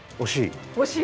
惜しい？